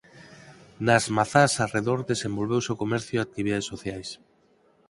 Nas mazás arredor desenvolveuse o comercio e actividades sociais.